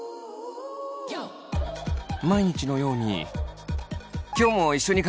毎日のように。